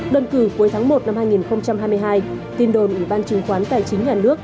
đơn cử cuối tháng một năm hai nghìn hai mươi hai tin đồn ủy ban chứng khoán tài chính nhà nước